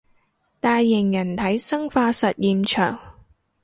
大型人體生化實驗場